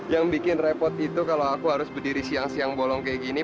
yang bikin repot itu kalau aku harus berdiri siang siang bolong kayak gini